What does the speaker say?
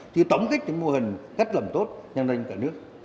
thì tổng kết những mô hình cách làm tốt nhân doanh cả nước